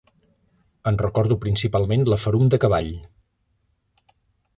En recordo principalment la ferum de cavall